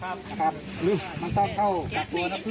ผมจะมาคุยทั้งเดียวกันหนึ่งเลยครับ